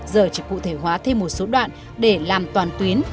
giờ chỉ cụ thể hóa thêm một số đoạn để làm toàn tuyến